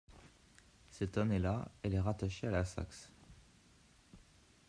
Cette année-là, elle est rattachée à la Saxe.